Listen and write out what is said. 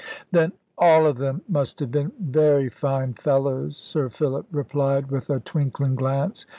"Then all of them must have been very fine fellows," Sir Philip replied, with a twinkling glance.